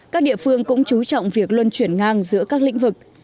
các địa phương cũng chú trọng việc luân chuyển ngang giữa các lĩnh vực